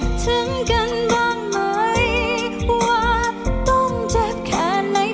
ถึงกันบ้างไหมว่าต้องเจ็บแค่ไหน